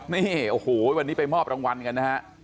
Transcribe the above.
นี่โอ้โหวันนี้ไปมอบรางวัลกันนะฮะ